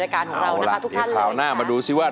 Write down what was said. ขอบคุณค่ะ